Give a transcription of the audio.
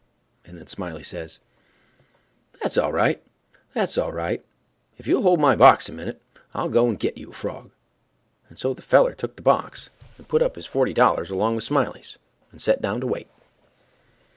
And then Smiley says, "That's all right—that's all right—if you'll hold my box a minute, I'll go and get you a frog." And so the feller took the box, and put up his forty dollars along with Smiley's, and set down to wait.